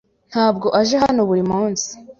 Ntabwo aje hano buri munsi.